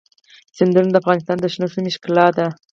سیندونه د افغانستان د شنو سیمو ښکلا ده.